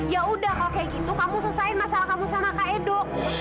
ya udah kalau kayak gitu kamu selesai masalah kamu sama kak edo